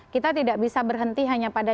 kita tidak bisa berhenti hanya pada